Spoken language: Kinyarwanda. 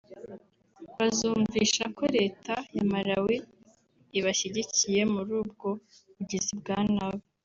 bazumvisha ko Leta ya Malawi ibashyigikiye muri ubwo bugizi bwa nabi